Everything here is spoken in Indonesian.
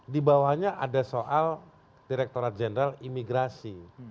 dibawanya ada soal direkturat jenderal imigrasi